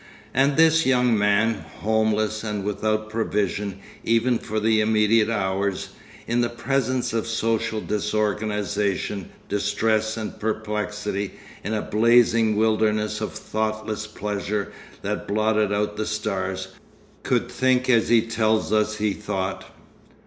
And this young man, homeless and without provision even for the immediate hours, in the presence of social disorganisation, distress, and perplexity, in a blazing wilderness of thoughtless pleasure that blotted out the stars, could think as he tells us he thought.